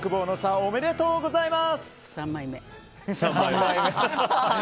おめでとうございます！